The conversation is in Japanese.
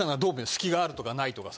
隙があるとかないとかさ